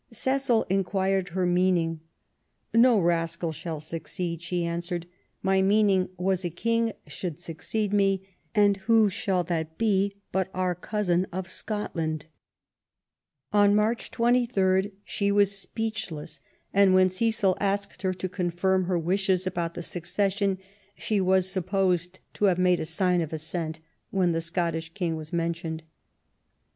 " Cecil inquired her meaning no rascal shall suc ceed ". She answered :" My meaning was a King should succeed me; and who should that be but our cousin of Scotland ?*' On March 23 she was speechless, and when Cecil asked her to confirm her wishes about the succession she was supposed to have made a sign of assent when the Scottish King was mentioned.